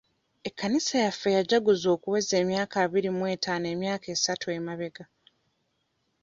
Ekkanisa yaffe yajjaguza okuweza emyaka abiri mu ettaano emyaka esatu emabega.